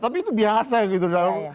tapi itu biasa gitu